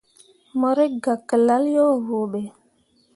Mo rǝkʼgah ke lalle yo ruuɓe.